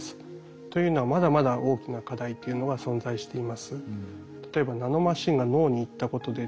というのはまだまだ大きな課題というのが存在しています。